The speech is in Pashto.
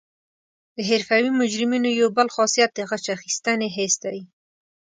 د حرفوي مجرمینو یو بل خاصیت د غچ اخیستنې حس دی